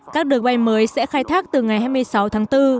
các đường bay mới sẽ khai thác từ ngày hai mươi sáu tháng bốn